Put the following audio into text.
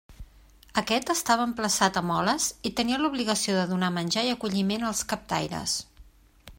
Aquest estava emplaçat a Moles i tenia l'obligació de donar menjar i acolliment als captaires.